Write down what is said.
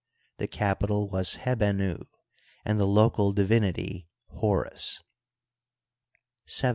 The capital was Hebenu, and the local divinity Horus, XVII.